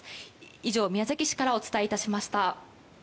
以上、宮崎市からお伝えいたしました。